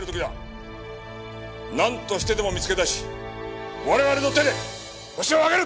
なんとしてでも見つけ出し我々の手でホシを挙げる！